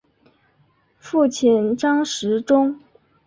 父亲张时中。